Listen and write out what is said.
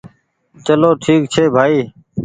چلو ٺيڪ ڇي ڀآئي